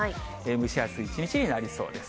蒸し暑い一日になりそうです。